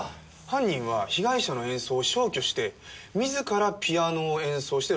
犯人は被害者の演奏を消去して自らピアノを演奏して録音しています。